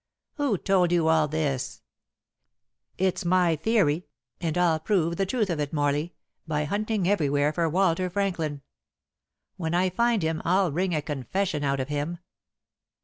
"Who told you all this?" "It's my theory. And I'll prove the truth of it, Morley, by hunting everywhere for Walter Franklin. When I find him I'll wring a confession out of him."